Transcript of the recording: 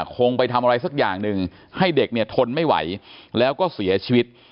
คงไปทำอะไรสักอย่างหนึ่งให้เด็กเนี่ยทนไม่ไหวแล้วก็เสียชีวิต